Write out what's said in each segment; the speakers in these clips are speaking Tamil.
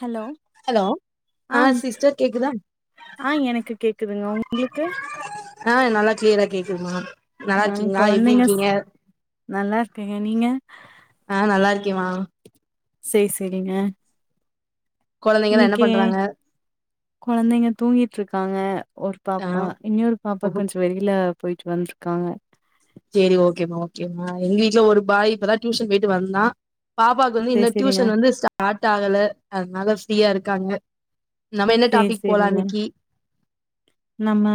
ஹலோ ஹலோ ஆ சிஸ்டர் கேக்குதா ஆ எனக்கு கேக்குதுங்க உங்ளுக்கு ஆ நல்லா க்ளியரா கேக்குது மா நல்லாருக்கீங்ளா எப்டி இருக்கீங்க நல்லாருக்கேங்க நீங்க ஆ நல்லா இருக்கேமா சே சேரிங்க கொழந்தைங்களா என்ன இன்னைக்கு பண்றாங்க கொழந்தைங்க தூங்கிட்ருக்காங்க ஒரு ஆ பாப்பா இன்னொரு பாப்பா ஓகே கொஞ்ச வெளில போயிட்டு வந்ருக்காங்க சேரி ஓகேமா ஓகேமா எங்க வீட்ல ஒரு பாய் இப்பதா டியூஷன் போயிட்டு வந்தா பாப்பாக்கு வந்து இன்னு சேரி சேரிங்க டியூஷன் வந்து ஸ்டார்ட் ஆகல அதனால ஃப்ரீயாருக் கண்ணு சேர் சேரிங்க நம்ம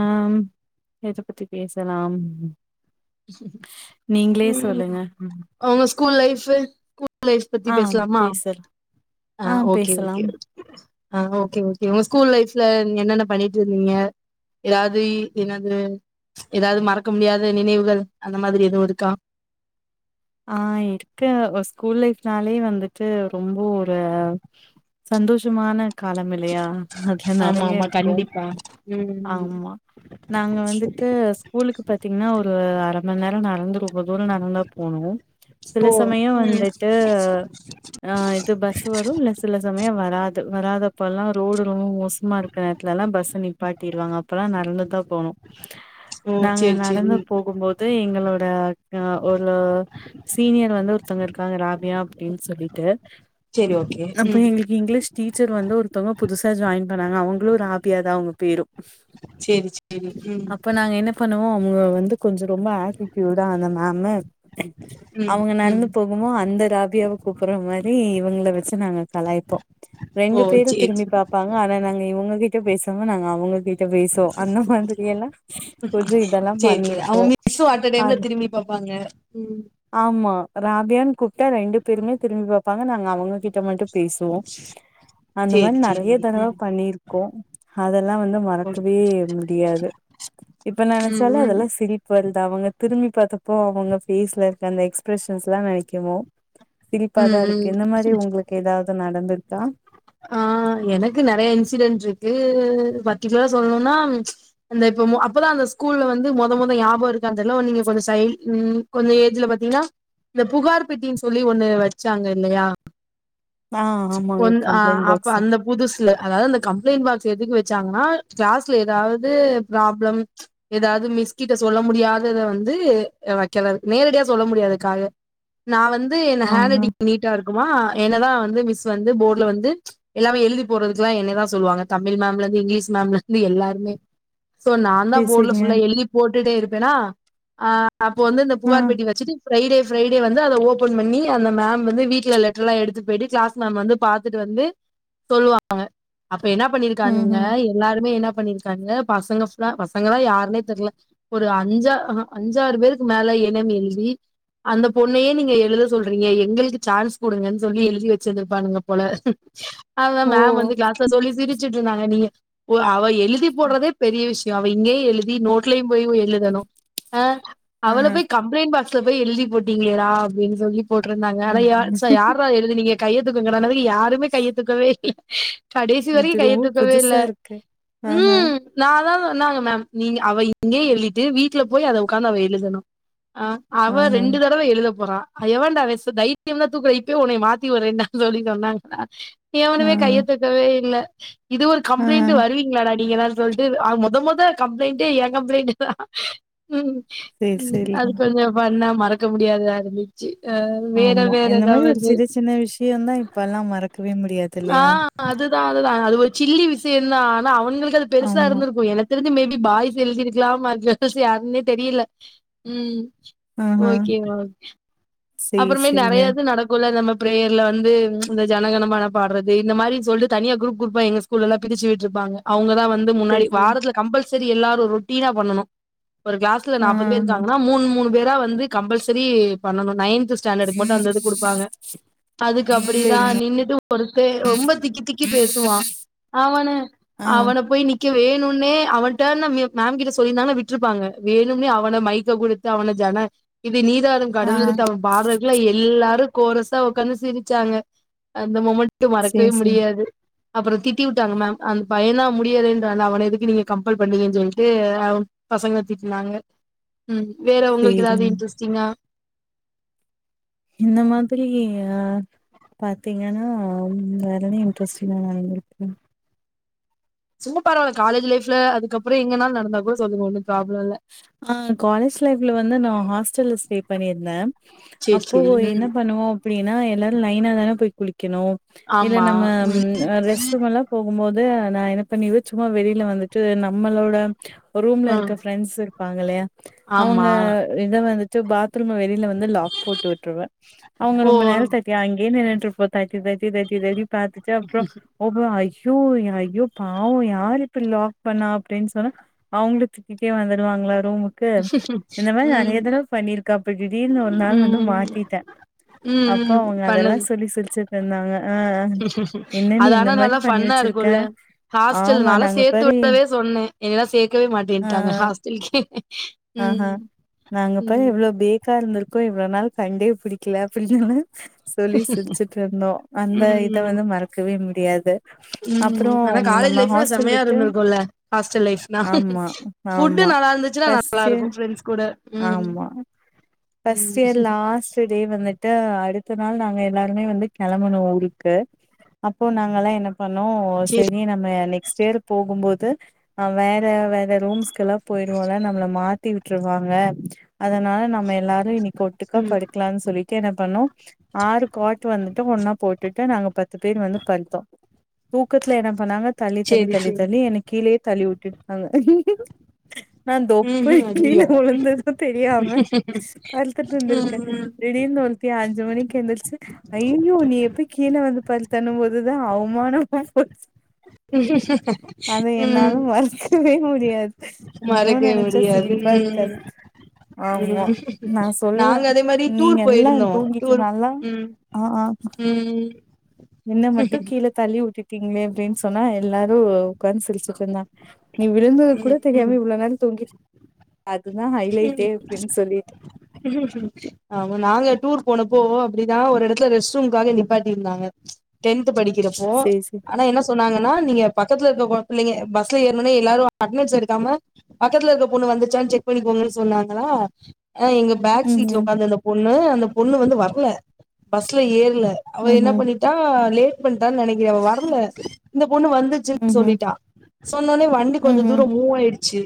எத பத்தி பேசலாம் நீங்களே ம் சொல்லுங்க உங்க ஸ்கூல் லைஃப்பு ப்லேஸ் பத்தி ஆ பேசலாமா பேசலா ஆ ஆஹ் ஓகே பேசலாம் ஓகே உங்க ஸ்கூல் லைஃப் ல என்னன்ன பண்ணிட்டு இருந்தீங்க ஏதாவது என்னது ஏதாவது மறக்க முடியாத நினைவு அந்த மாதிரி எதுவும் இருக்கா ஆஹ் இருக்கு ஒரு ஸ்கூல் லைஃப்னாலே வந்துட்டு ரொம்ப ஒரு சந்தோஷமான காலமில்லையா அதுல ஆமா நிறைய ஆமா இருக்கும் கண்டிப்பா ம் ஆமா நாங்க வந்துட்டு ஸ்கூலுக்கு பாத்தீங்கன்னா ஒரு அரை மணி நேரம் நடந்து ரொம்ப தூர நடந்து சில ஓ சமயம் ம் வந்துட்டு ஆஹ் இது பஸ் வரும் இல்ல சில சமயம் வராது வராதப்ப ல்லாம் ரோடு ரொம்ப மோசமா இருக்கிற நேரத்துல லாம் பஸ் நிப்பாட்டிரு வாங்க அப்பல்லாம் நடந்து தான் போனும் ஓ நாங்க சேரி சேரி நடந்து போகும்போது எங்களோட சீனியர் வந்து ஒருத்தங்க இருக்காங்க ராபியா அப்டின்னு சொல்லிட்டு சேரி ஓகே அப்ப ம் எங்களுக்கு இங்கிலீஷ் டீச்சர் வந்து ஒருத்தங்க புதுசா ஜாய்ன் என்ன பண்ணாங்க அவங்களும் ராபியா தான் அவங்க பேரும் சேரி சேரி உம் ங்க வந்து கொஞ்சம் ரொம்ப ஆட்டிடியூடா அந்த மேம் ம் அவுங்க ம் நடந்து போகும்போது அந்த ராபியாவ கூப்பிடுற மாரி இவங்கள வச்சு நாங்க கலாய்ப்போம் ஓ ரெண்டு பேரும் சேரி திரும்பி சேரி பார்ப்பாங்க ஆனா நாங்க இவுங்க பேசாம நாங்க அவுங்க பேசோம் அந்த மாதிரி எல்லாம் கொஞ்சம் இதெல்லாம் சேரி சேரி அவங்க பண்ணிருக்கோம் உம் ஆமா ராபியான்னு கூப்பிட்டா ரெண்டு பேருமே திரும்பி பாரப்பாங்க நாங்க அவங்க கிட்ட மட்டும் பேசுவோம் அந்த மாதிரி சேரி சேரி நிறைய தடவை ம் பண்ணிருக்கோம் அதெல்லாம் வந்து ஓகே மறக்கவே முடியாது இப்ப ம் நினைச்சாலும் ம் அதெல்லாம் சிரிப்பு வருது அவங்க திரும்பி பாத்தப்போ அவங்க ஃபேஸ்ல அந்த எக்ஸ்பிரஷன்ஸ் எல்லாம் நினைக்கவும் சிரிப்பா ம் தான் ம் இருக்கு இந்த மாரி உங்களுக்கு ஏதாவது நடந்திருக்கா ஆஹ் எனக்கு நிறைய இன்சிடென்ட் இருக்கு பர்ட்டிகுலரா சொல்லணும்னா அந்த இப்ப அப்பதான் அந்த ஸ்கூல்ல வந்து முதல் முதல்ல ஞாபகம் இருக்கானு தெரில ஓ நீங்க கொஞ்சம் சைல்ட் உம் கொஞ்சம் ஏஜ்ல பாத்தீங்கன்னா இந்த புகார் பெட்டின்னு சொல்லி ஒண்ணு வச்சாங்க இல்லையா ஆஹ் ஆமாங்க ஒன் ஆ கம்ப்ளைண்ட் பாக்ஸ் அப்ப அந்த புதுசுல அதாவது அந்த கம்ப்ளைண்ட் பாக்ஸ் எதுக்கு வச்சாங்கனா கிலாஸ்ல ஏதாவது ப்ராபிளம் ஏதாவது மிஸ் கிட்ட சொல்ல முடியாததை வந்து வைக்கல நேரடியா சொல்ல முடியாததுக்காக நா வந்து என் ஆ ஹேண்ட் ஆ ரைட்டிங் நீட்டா இருக்குமா என்னதான் வந்து மிஸ் ஸு வந்து போர்டல வந்து எல்லாமே எழுதி போறதுக்கு எல்லாம் என்னய தான் சொல்லுவாங்க தமிழ் மேம்ல இருந்து இங்கிலீஷ் மேம்ல இருந்து எல்லாருமே சோ நான் சேரி தான் போர்ட்ல சேரிங்க ஃபுல்லா எழுதி போட்டுட்டே இருப்பேனா ஆஹ்ன் அப்போ வந்து இந்த ஆ புகார் பெட்டி வச்சுட்டு ஃப்ரைடே ஃப்ரைடே வந் து அதுல ஓபன் பண்ணி அந்த மேம் வந்து வீட்டுல லெட்டர் லாம் எடுத்து போயிட்டு கிளஸ் மேம் வந்து பாத்துட்டு வந்து சொல்லுவாங்க அப் ப என்ன ம் பண்ணிருக்கானூங்க ம் எல்லாருமே என்ன பண்ணிருக்காங்க பசங்க ஃபுல்லா பசங்காம் யாருன்னே தெரியல ஒரு அஞ்சா ஹ்ம் அஞ்சாறு பேருக்கு மேல இனம் எழுதி அந்த பொண்ணையே நீங்க எழுத சொல்றீங்க எங்களுக்கு சான்ஸ் கொடுங்கன்னு சொல்லி எழுதி வச்சிருந்திருப்பானுங்க போல [inaudible] அததான் ஓ மேம் வந்து கிளாஸ்ல சொல்லி சிரிச்சுட்டு இருந்தாங்க நீங்க போ அவை எழுதி போடுறதே பெரிய விஷ் அவ இங்கேய எழுதி நோட்லயும் போய் எழுதணும் ஹன் ஆ அவளை போய் கம்ப்ளைண்ட் பாக்ஸ் போய் எழுதி போட்டீங்கெளரா அப்படின்னு சொல்லி போட்டுருந்தாங்க ஆனா ம் ச யார எழுதினீங்க கையெத்துக்குங்கனது யாருமே கையத்துக்கவே இல [inaudible] கடைசி இது வரைக்கும் ரொம்ப கையெத்துக்கவே இல்ல புதுசா இருக்கு ஆஹ உம் நா தான் சொன்னாங்க மேம் நீங்க அவ இங்கே எழுதிட்டு வீட்டுல போய் அத உட்காந்து அவ எழுதனும் அஹ் அவ ஆஹ ரெண்டு தடவை எழுத போறா எவண்டா [unintelligible] தைரியம் இருந்தா தூக்கற இப்பவே உன்னை மாத்தி வுட்ரேனூ சொல்லி சொன்னாங்கா ஆ எவனமே கையெத்தூக்கவே இல்ல இது ஒரு ஆ கம்ப்ளைண்ட்டு வருவீங்ளாடா நீங்க தானு சொல்ட்டு ஆ மொத மொத கம்ப்ளைண்ட்டே என் கம்ப்ளைண்ட்டு தா ம் ம் சேரி ம் சேரிங்க அது கொஞ்சோ ஃபன்னா மறக்க முடியாதாதாருந்துச்சு ஆமா இந்த மாரி ஒரு சிறு சின்ன விஷயம்தா இப்பெல்லா மறக்க ஆ அதுதா அதுதா அது சில்லி விசயம் தா ஆனா அவ அவுங்ளுக்கு அது பெருசா ஆமா இருந்துருக்கு எனக்கு தெரிஞ்சி மே பி பாய்ஸ் எழுதிருக்கலா [unintelligible] யாருன்னே தெரில ம் ஆஹ ஓகே ஓகே சேரி அப்றமே சேரிங்க நறையா இது நடக்குல நம்ம பிரேயர்ல வந்து இந்த ஜனகனமன பாட்றது இந்த மாரி சொல்ட்டு தனியா குரூப் குரூப்பா எங்க ஸ்கூல்லலா பிரிச்சு விட்டுருப்பாங்க அவங்கதா வந்து ந்து சேரி முன்னாடி சேரி வாரத்துல கம்பல் சரி எல்லாரு ரொட்டீனா பண்ணனு ஒரு கிளாஸ்ல ஆ நாப்பது பேர் ஆ இருக்காங்கனா மூணு மூணு பேர் தா வந்து கம்பல்சரி பண்ணணு நைன் த்து ஸ்டாண்டக்கு மட்டும் அந்த இது குடுப்பாங்க அதுக்கு அப்படிதா சேரிங்க நின்னுட்டு ஒருத்தே ரொம்ப திக்கி திக்கி பேசுவா அவன ஆ அவன போய் வேணுனே அவ டேர்ன் மேம் கிட்ட சொல்லிருந்தா விட்ருப்பாங்க வேணுனே அவன மைக்க குடுத்து அவன ஜன நீராருனு ஆ கடலுடுத் பாட்றதுக்குல்லா எல்லாரு கோரஸா ஒக்காந்து சிரிச்சாங்க அந்த மொமண் ட்டு சேரி மறக்கவே சேரி முடியாது அப்ற திட்டி வுட்டாங்க மேம் அந்த பைய தா முடியாதுன்றானே அந்த அவன எதுக்கு நீங்கள் கம்பல் பண்ணீறிங்கன் சொல்ட்டு பசங்கள திட்னாங்க ம் வேற உங்ளுக்கு எதாது சேரிங்க இன்ட்ரெஸ்டிங்கா இந்த மாதிரி ஆ பாத்தீங்கனா வேற என்ன இன்ட்ரெஸ்டிங்கா நடந்திருக்கு சும்மா பரவால்ல காலேஜ் லைஃப்ல அதுக்கப்ற எங்கனா நடந்தா கூட சொல்லுங்க ஒன்னு ப்ராப்ளம் இல்ல ஆ காலேஜ் லைஃப்ல வந்து நா ஹாஸ்டல்ல ஸ்டே பண்ணியிருந்தே சேரி அப்போ சேரி ம் என்ன பண்ணுவோ அப்டின் னா எல்லாரு லைனா தான போய் குளிக் க்கணு இல்ல ஆமா நம்ம ம் ஆ ரெஸ்ட் ரூம் எல்லா போகும்போது து நா என்ன பண்ணிருவ சும்மா வெளியில வந்துட்டு நம்மளோட ஒரு ரூம்ல ஆ இருக்க இருப்பாங்கல்லயா அவங்க ஆமா இத வந்துட் பாத்ரூம் வெளியில வந்து ந்து லாக் போட்டு விட்ருவ அவங்க ஓ ரொம்ப நேரம் தட்டி அங் அங்கயே நின்னுகிட்டு இருப்போ தட்டி தட்டி தட்டி தட்டி பாத்துட்டு அப்புறோ ஓஹோ அய் ஐயோ ஐயோ பாவம் யாரு இப்ப லாக் பண்ணா அப்படின்னு சொன்னா அவங்கள திட் இப்பயே வந்துடுவாங்களா ரூமுக்கு இந்த மாரி ம் நெறைய தடவ பண்ணிருக்க அப்ப திடிர்னு ஒரு நாள் வந்து ம் மாட்டிட்ட அப்போ ம் அவங்க அதெல்லா சொல்லி சிரிச்ச இருந்தாங்க ஆ என்ன நீ அதா இந்த ஆனா மாரி நல்லா பண்ணி ஃபண்ணா வச்சிருக்க இருக்கும்ல ஹாஸ்டல் ஆமா நாலா நாங்க சேர்த்து பாரு விடவே சொன்னேன் என்னல்லா சேர்க்கவே மாட்டேன் தாங்க ஹாஸ்டல் கே ஆஹ்ஹ் நாங்க பா ம் எவ்ளோ பேக்கா இருந்திருக்கோ இவ்ளவு நாள் கண்டே பிடிக்கல அப்படின்தான சொல்லி சிரிச்சுட்டு இருந்தோம் அந்த இத ம் வந்து மறக்கவே முடியாது அப்புறோ ம் ஆனா காலேஜ் நம்ம லைஃப்லா ஹாஸ்டல் செம்மையா விட்டு இருந்திருக்குல்ல ஹாஸ்டல் லைஃப்னா ஆமா ஃபுட்டு ஆமா நல்லா இருந்துச்சுன்னா நல்லா சின் இருக்கு ஃப்ரெண்ட்ஸ் கூட ம் ஆமா ஃபர்ஸ்ட் ம் இயர் லாஸ்ட் டே வந்துட்டு ட்டு அடுத்த நாள் நாங்க எல்லாருமே வந்து கிளம்பன ஊருக்கு அப்போ நாங்க எல்லா என்ன பண்ணோம் சேரி செரி நம்ம நெக்ஸ்ட் இயர் போகும்போது து வேற வே ரூம்ஸ்க எல்லா போயிருவோல நம்ம மாத்தி விட்டுருவாங்க அதனால நம்ம எல்லாரும் இன்னைக்கு ஒட்டுக்கா ம் படுக்கலாம்னு சொல்லிட்டு என்ன பண்ணோம் ஆறு காட்டு் வந்துட்டு ஒன்னா போட்டுட்டு நாங்க பத்து பேர் வந்து படுத்தோம் தூக்கத்துல என்ன பண்ணாங்க தள்ளி தள்ளி சேரி தள்ளி சேரி தள்ளி என்ன கீழேயே தள்ளி விட்டுடாங்க நான்தே போய் ம்ஹூம் கீழே அய்யய்யோ உழுந்ததும் தெரியாம படுத்துட்டு இருந்திருக்கேன் ம் திடீர்னு ஒருத்தி அஞ்சு மணிக்கு எழுந்திரிச்சு ஐயோ நீ எப்படி போய் கீழே வந்து பல் தனும் போதுதா அவமானம போச்சு ம் அதை ம் என்னால மறக்கவே முடியாது இன்னமும் மறக்கவே நினைச்ச ஆமா நா சொல்லுவே நாங்க அதே மாதிரி டூர் நீங்க எல்லா போயிருந்தோம் தூங்கிட்டு டூர் நல்லா உம் ஆ ஆ உம் உம் உம் என்ன மட்டும் கீழ தள்ளி விட்டிட்டு திங்க அப்டின் சொன்னா எல்லாரும் உக்காந்து சிரிச்சுட்டு இருந்தாங்க நீ விழுந்தது கூட ம் தெரியாமே ம் இவளோ நேரம் தூங்கி அப்டின்னு சொல்லிட்டு ஆமா நாங்க டூர் போனப்போ இப்படிதா ஒரு இடத்துல ரெஸ்ட் ரூம்காக நிப்பாட்டி இருந்தாங்க டென்த் படிக்க ரப்போ சேரி சேரி ஆனா என்ன சொன்னாங்கன்னா நீங்க பக்கத்தில இருக்க பிள்ளைங்க பஸ்ல ஏறுனோ நே எல்லாரும் அட்னன்ஸ் எடுக்காம பக்கத்துல இருக்க பொண்ணு வந்துட்டு ச்சா செக் பண்ணிக்கோங்கு சொன்னாங்களா ஆ எங்க பேக் ம் ம் சீட்ல உட்கார்திருந்த பொண் ணு அந்த பொண்ணு வந்து வர்ல பஸ்ல ஏர் ரல அவ என்ன ம்ஹ்ம் பண்ணிட்டா லேட் பண்ட்டா நினைக்கிறே அவ வரல இந்த பொண்ணு வந்துச்சு ம்ஹ்ம் சொல்லிட்டா சொன்னோடனே வண்டி கொஞ்சம் ம்ஹ்ம் தூரம் மூவ் ஆயிடுச்சு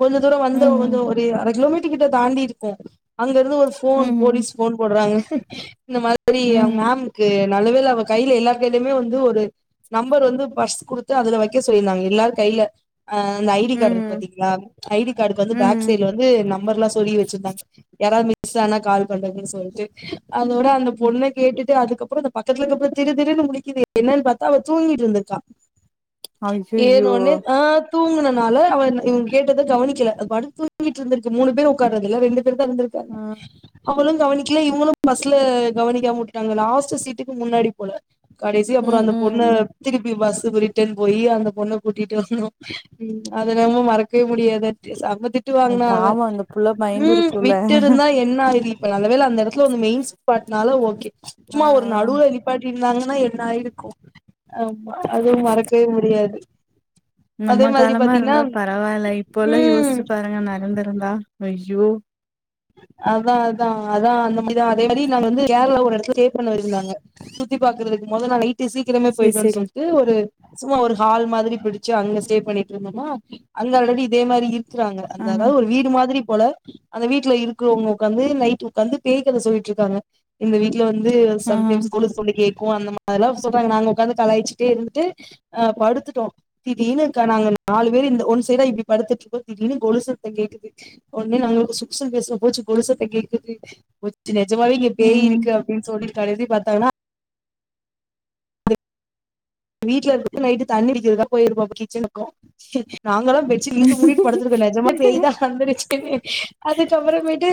கொஞ்ச தூர வந்தோ வந்தோ ம்ஹ்ம் ஒரு அர கிலோமீட்டர் கிட்ட தாண்டி இருக்கோ அங்க இருந்து ஒரு போன் ம்ஹ்ம் போலீஸ் போன் போடுறாங்க இந்த மாதிரி அவங்க ம்ஹ்ம் மேம்க்கு நல்ல வேல அவ கையில எல்லாரு கையிலுமே வந்து ஒரு நம்பர் வந்து பஸ் குடுத்து அதுல வைக்க சொல்லியிருந்தாங்க எல்லாரு கையில அ அந்த ஐடி கார்டு இருக்கு ம்ஹ்ம் பார்த்தீங்களா ஐடி கார்டுக்கு வந்து பேக் ம்ஹ்ம் சைட் வந்து நம்பர் எல்லாம் சொல்லி வச்சிருந்தாங்க யாராவது மிஸ் ஆனா கால் பண்றதுன்னு சொல்லிட்டு அதோட அந்த ம் பொண்ண கேட்டு அதுக்கப்புறம் இந்த பக்கத்துலக்கு அப்புறம் திரு திருனு முலிக்குது என்னன்னு பார்த்தா அவ தூங்கிட்டு இருந்தக்கா ஐய்யய்யோ எர்னோனா ஆ தூங்கனனால அவ இவங்க கே ட்டதா கவனிக்கல அதுபாட்டுக்கு தூக்கிட்டு இருந்து இருக்கு மூணு பேர் உட்கார்றதல ரெண்டு பேர் தா இருந்து இருக்காங்க ம் அவளும் கவனிக்கல இவங்களும் பஸ்ல கவனிக்காம விட்டாங்க லாஸ்ட் சீட்டுக்கு முன்னாடி போல கடைசி அப்புறம் ம் அந்த பொண்ணு ம் திருப்பி பஸ் ரீட்டன் போய் அந்த பொண்ண கூட்டிட்டு வந்தோம் அது என்னமோ மறக்க வே முடியாத செம்ம திட்டு ம் வாங்கனா பாவம் அந்த புள்ள உம் பயந்துருக்குல்ல விட்டு இருந்தா என்ன ஆகீ நல்ல வேல அந்த இடத்துல மெயின் ஸ்பாட் னால ஓகே ஆ சும்மா ஒரு ஆ நடுவுவில் நிப்பாட்டி ங்கனா என்னாய இருக்கும் ஆமா அதுவும் மறக்கவே முடியாது அதே நம்ம மாதிரி காலமா பாத்தீங்கன்னா இருந்தா பரவ ல இப்பல்லாம் ம் யோசிச்சு பாருங்க நடந்திருந்தா ஜோ அதா அதா அதா அந்த மாரிதா அதே மாரி நான் வந்து கேரளா ஒரு இடத்து ஸ்டே பண்ண இருந்தாங்க சுத்தி பாாரக்குறதுக்கு மொத நாள் நைட் சீக்கிரமே சேரி போய்டும்னு சேரி சொல்லிட்டு ஒரு சும்மா ஒரு ஹால் மாதிரி பிடிச்சு அங்க ஸ்டே பண்ணிட்டு இருந்தோம்மா அங்க ஆல்ரெடி இதே மாரி இரு வாங்க ஆ அந்த அதாவது ஒரு வீடு மாதிரி போல அந்த வீட்டு வீட்ல இருக்கிறவங்க கந்து வந்து நைட் உகாந்து பேய் கத சொல்லிட்டு இருக்காங்க இந்த வீட்டு வந்து ஆ சம்டைம்ஸ் கொலுசு சவுண்ட் கேக்கும் அந்த மாதிரல்லாம் சொல்றாங்க நாங்க உட்காந்து கலாயச்சுட்டே இருந்துட்டு அஹ் படுத்துட்டோம் திடீனு நாங்க நாலு பேர் இந்த ஒன் சைடா இப்படி படுத்துட்டு இருக்கோம் திடீனு கொலு சத்தம் கேக்குது உடனே நாங்களா [inaudible] நிஜமாவே இங்க பேய் ம்ஹ்ம் இருக்கு அப்படின்னு சொல்லி கரடி பாத்தானா வீடல இரு நைட்டு தண்ணி அடிக்கிறதுதா போயிருப்போம் கிச்சனுக்கும் நாங்களாம் பெட்ஷீட் இழுத்து மூடிட்டு படுத்துருக்கோம் நிஜமா பேய்தான் வந்தருச்சுனு அதுக்கப்பறமேட்டு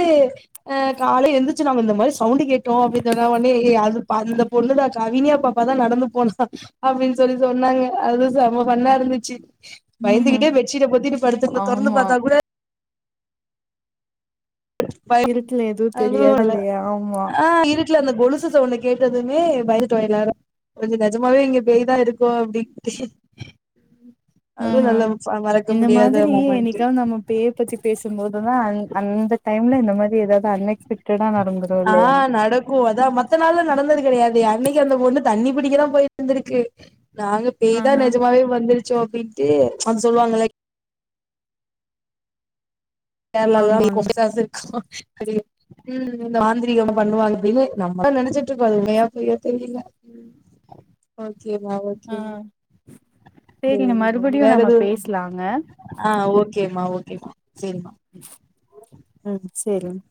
அஹ் கால எந்திரச்சு நாங்க இந்த மாதிரி சவுண்டு் கேட்டோம் அப்படின்னு சொன்னா உடனே அது அந்த பொண்ணுடான் கவினியா பாப்பாதான் நடந்து போனா அப்படின்னு சொல்லி சொன்னாங்க அது சம ஃபண்ணா இருந்துச்சு ம்ஹ்ம் பயந்துகிட்டே பெட்ஷுட்ட போத்திட்டு படுத்து தெறந்து ஆமா பாத்தா கூட ப இருட்டுல எதுவு அது தெரியாது இல்லையா ஆமா ஆஹ் வீடல அந்த ஹம் அதுவு ஹம் நல்ல மறக்க இந்த முடியாத மாதிரி மொமெண்ட்டு என்னைக்க நம்ம பேய பத்தி பேசும்போதுதான் அந்த டைம் இந்த மாரி ஏதாவது அன்க்ஸ் ஆஹ் நடக்கும் அதான் மத்த நாள்ல நடந்தது கிடையாது அன்னைக்கு அந்த பொண்ணு தண்ணி பிடிக்கதான் போயிட்டுருந்திருக்கு நாங்க பேய்தான் ஆஹா நிஜமாவே வந்துருச்சு [unintelligible] அப்படின்ட்டு அது சொல்லுவாங்கல கேரளல்லாம் ஆமாங்க பேய் பிசாசு இருக்குமா ச உம் இந்த மாந்திரீகமா பண்ணுவாங்க நம்ம நினைச்சிட்டு இருக்கோம் உண்மையா பொய்யா தெரியல சேரி ஆ சேரிங்க மறுபடியு வேற நம்ம எது பேசலாங்க ஆஹ் ஓகே ஓகேமா ஓகே சரிமா ம் ம் செரிங்